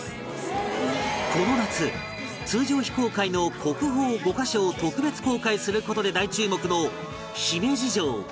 この夏通常非公開の国宝５カ所を特別公開する事で大注目の姫路城